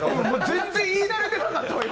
全然言い慣れてなかったわ今。